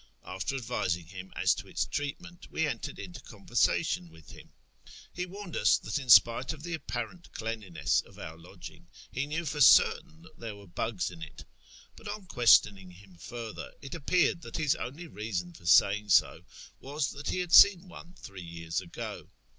After advising him as to its treatment, we entered into conversation with him. He warned us that in spite of the apparent cleanliness of our lodging, he knew for certain that there were bugs in it ; but on questioning him further, it appeared that his only reason for saying so was that he had seen one three years ago.